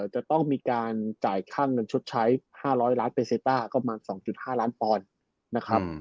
จะต้องมีการจ่ายค่าเงินชดใช้๕๐๐ล้านเปเซต้าก็ประมาณ๒๕ล้านปอนด์นะครับ